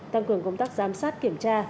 tăng cường công tác giám sát kiểm tra